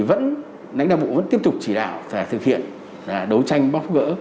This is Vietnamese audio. đến nay đảng đảng bộ vẫn tiếp tục chỉ đảo và thực hiện đấu tranh bóc gỡ